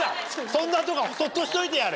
そんなとこはそっとしといてやれ。